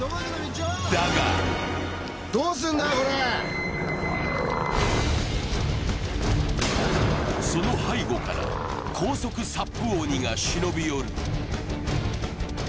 だがその背後から高速サップ鬼が忍び寄る。